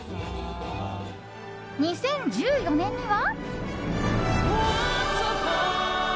２０１４年には。